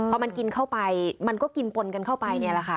พอมันกินเข้าไปมันก็กินปนกันเข้าไปเนี่ยแหละค่ะ